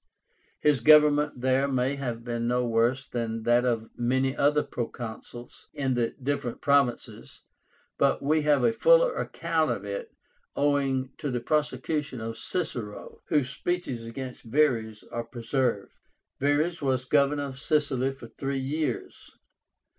His government there may have been no worse than that of many other proconsuls in the different provinces, but we have a fuller account of it owing to the prosecution of Cicero, whose speeches against Verres are preserved. Verres was Governor of Sicily for three years.